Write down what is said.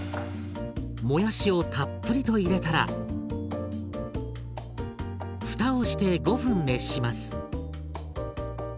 もやしをたっぷりと入れたら蓋をして５分熱します。